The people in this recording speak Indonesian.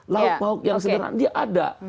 lauk lauk yang sederhana dia ada